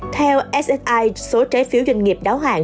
theo s i số trái phiếu doanh nghiệp đáo hạn